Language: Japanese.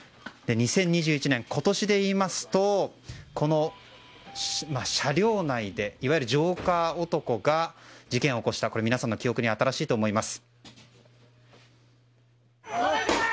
２０２１年、今年で言いますとこの車両内でいわゆるジョーカー男が事件を起こしたことが皆さんの記憶に新しいと思います。